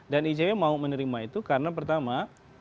dan icw mau menerima itu karena pertama